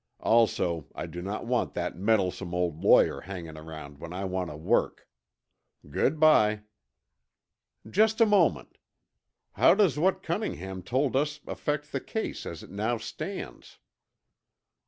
Also, I do not want that meddlesome old lawyer hanging around when I want to work. Good by." "Just a moment. How does what Cunningham told us affect the case as it now stands?"